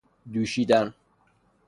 دوشیدن